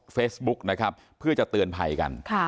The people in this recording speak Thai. เฟซบุ๊กนะครับเพื่อจะเตือนภัยกัน